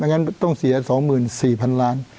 งั้นต้องเสีย๒๔๐๐๐ล้าน